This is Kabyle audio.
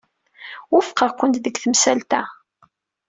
Wufqeɣ-kent deg temsalt-a.